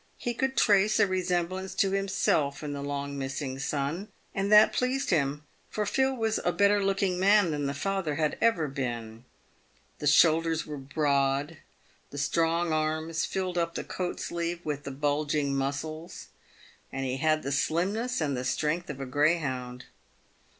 He could trace a resemblance to himself in the long missing son, and that pleased him, for Phil was a better looking man than the father had ever been. The shoulders were broad, the strong arms filled up the coat sleeve with the bulging muscles, and he had the slimness and the strength of a greyhound.